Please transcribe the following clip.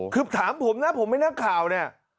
คือถามผมนะผมเป็นนักข่าวเนี่ย